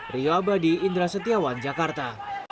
rio abadi indra setiawan jakarta